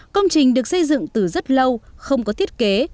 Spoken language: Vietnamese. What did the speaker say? công trình được xây dựng từ rất lâu không có thiết kế